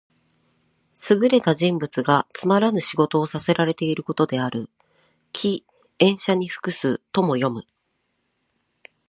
優れた人物がつまらぬ仕事をさせらていることである。「驥、塩車に服す」とも読む。